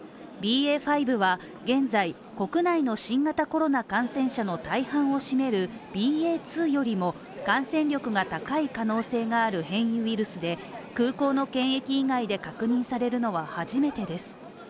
ＢＡ．５は現在、国内の新型コロナ感染者の大半を占めるＢＡ．２よりも感染力が高い可能性がある変異ウイルスで空港の検疫以外で確認されるのは初めてです。